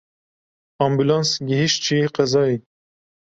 Ambûlans gihîşt cihê qezayê.